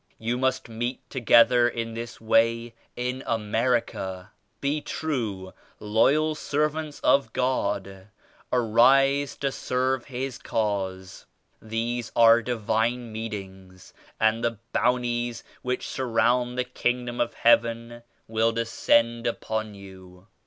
You must meet together in this way in America. Be true, loyal servants of God. Arise to serve His Cause. These are divine meetings and the Bounties which surround the Kingdom of 77 Heaven will descend upon you.